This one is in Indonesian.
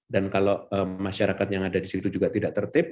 dan kalau masyarakat yang ada di situ juga tidak tertip